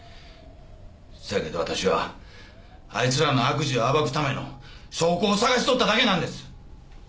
そやけどわたしはあいつらの悪事を暴くための証拠を探しとっただけなんです。